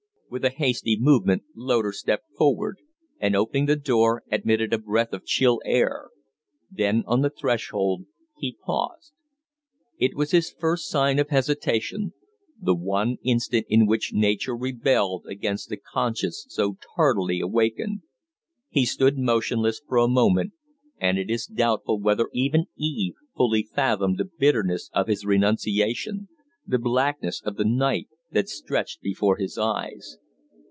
With a hasty movement Loder stepped forward, and, opening the door, admitted a breath of chill air. Then on the threshold he paused. It was his first sign of hesitation the one instant in which nature rebelled against the conscience so tardily awakened. He stood motionless for a moment, and it is doubtful whether even Eve fully fathomed the bitterness of his renunciation the blackness of the night that stretched before his eyes.